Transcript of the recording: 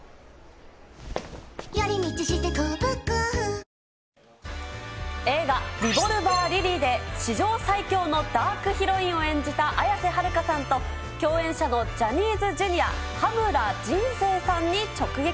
カネカネカネカネカーネクスト映画、リボルバー・リリーで史上最強のダークヒロインを演じた綾瀬はるかさんと、共演者のジャニーズＪｒ．羽村仁成さんに直撃。